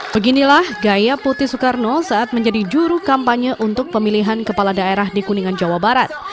beginilah gaya putih soekarno saat menjadi juru kampanye untuk pemilihan kepala daerah di kuningan jawa barat